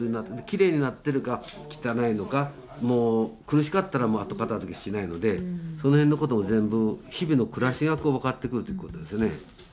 きれいになってるか汚いのかもう苦しかったらもう後片づけしないのでその辺のことも全部日々の暮らしが分かってくるということですよね。